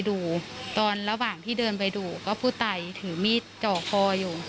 ดูตอนระหว่างที่เดินไปดูก็ผู้ตายถือมีดเจาะคออยู่